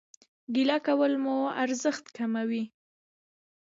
ګيله کول مو ارزښت کموي